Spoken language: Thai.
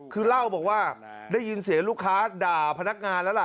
คือเล่าบอกว่าได้ยินเสียงลูกค้าด่าพนักงานแล้วล่ะ